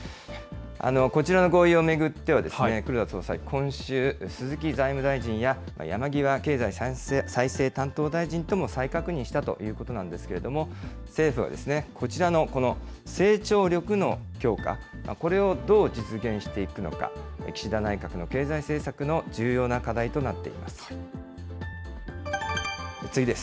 こちらの合意を巡っては黒田総裁、今週、鈴木財務大臣や、山際経済再生担当大臣とも再確認したということなんですけれども、政府は、こちらのこの成長力の強化、これをどう実現していくのか、岸田内閣の経済政策の重要な課題となっています。